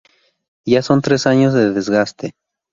Ya son tres años de desgaste.